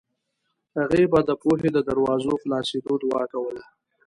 هغې به د پوهې د دروازو خلاصېدو دعا کوله